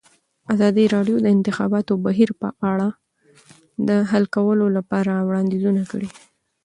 ازادي راډیو د د انتخاباتو بهیر په اړه د حل کولو لپاره وړاندیزونه کړي.